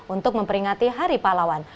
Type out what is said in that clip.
untuk memperingati hari pahlawan